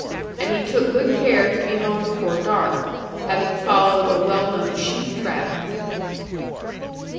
And he took good care to be home before dark, having followed a well known sheep track.